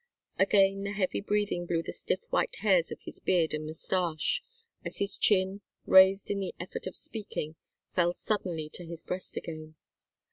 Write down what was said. Again the heavy breathing blew the stiff white hairs of his beard and moustache, as his chin, raised in the effort of speaking, fell suddenly to his breast again.